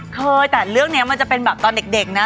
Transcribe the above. เคยแต่เรื่องนี้มันจะเป็นแบบตอนเด็กนะ